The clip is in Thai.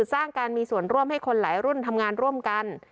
สร้างการมีส่วนร่วมให้คนหลายรุ่นทำงานร่วมกัน